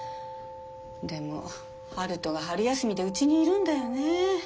でも陽斗が春休みでうちにいるんだよねえ。